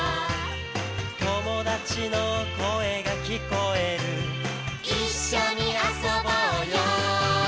「友達の声が聞こえる」「一緒に遊ぼうよ」